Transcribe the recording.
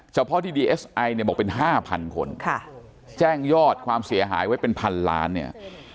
เฉพาะที่เนี่ยบอกเป็นห้าพันคนค่ะแจ้งยอดความเสียหายไว้เป็นพันล้านเนี่ย